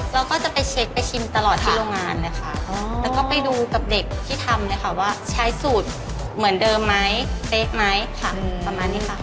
เราก็จะไปเช็คไปชิมตลอดที่โรงงานเลยค่ะแล้วก็ไปดูกับเด็กที่ทำเลยค่ะว่าใช้สูตรเหมือนเดิมไหมเป๊ะไหมค่ะประมาณนี้ค่ะ